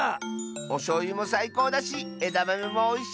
おしょうゆもさいこうだしえだまめもおいしいし